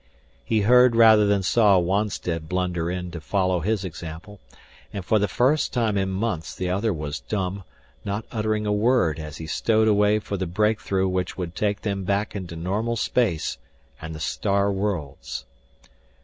He heard rather than saw Wonstead blunder in to follow his example, and for the first time in months the other was dumb, not uttering a word as he stowed away for the breakthrough which should take them back into normal space and the star worlds.